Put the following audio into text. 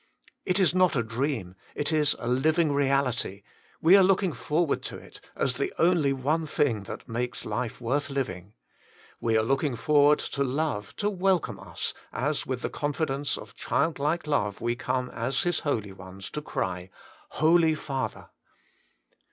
It is not a dream ; it is a living reality ; we are looking forward to it, as the only one thing that makes life worth living. We are look ing forward to Love to welcome us, as with the confidence of childlike love we come as His holy ones to cry, Holy Father